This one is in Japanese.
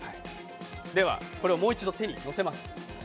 これをもう一度手に乗せます。